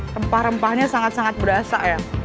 rempah rempahnya sangat sangat berasa ya